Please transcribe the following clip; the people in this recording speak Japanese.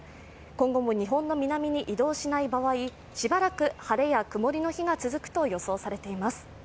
今後も日本の南に移動しない場合しばらく晴れや曇りの日が続くと予想されています。